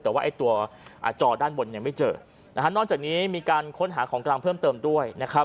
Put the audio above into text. แต่ว่าตัวจอด้านบนยังไม่เจอนอกจากนี้มีการค้นหาของกรางเพิ่มเติมด้วย